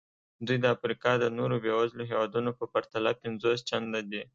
دوی د افریقا د نورو بېوزلو هېوادونو په پرتله پنځوس چنده دي.